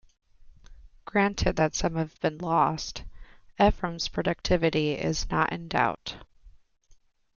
Granted that some have been lost, Ephrem's productivity is not in doubt.